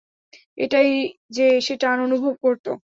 এটাই যে, সে টান অনুভব করত।